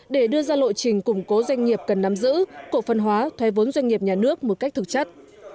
để đưa ra lộ trình củng cố doanh nghiệp cần nắm giữ cổ phân hóa thuê vốn doanh nghiệp nhà nước một cách thực chất